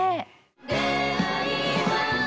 「出逢いは」